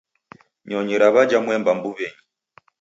Nyonyi raw'ajha mwemba mbuw'enyi.